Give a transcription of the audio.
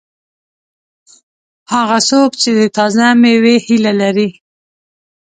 هغه څوک چې د تازه مېوې هیله لري.